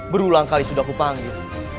berulang kali sudah aku panggil